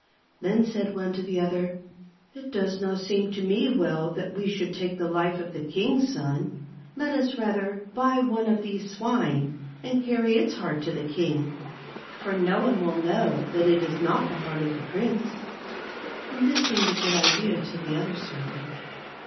Then said one to the other, " It does not seem to me well that we should take the life of the king's son. Let us rather buy one of these swine, and carry its heart to the king ; for no one will know that c) vn THE GLASS MOUNTAIN. 263 it is not the heart of the prince," and this seemed a good idea to the other servant.